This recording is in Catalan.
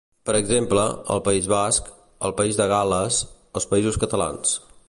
Per exemple: el País Basc, el País de Gal·les, els Països Catalans.